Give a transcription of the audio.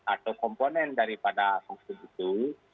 atau komponen daripada vaksin itu